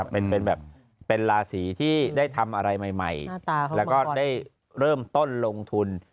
เป็นแบบเป็นราศีที่ได้ทำอะไรใหม่แล้วก็ได้เริ่มต้นลงทุน